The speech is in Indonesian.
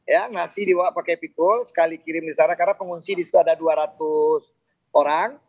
ya masih dibawa pakai pikul sekali kirim di sana karena pengungsi di situ ada dua ratus orang